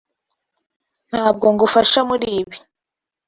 Ntabwo ngufasha muri ibi.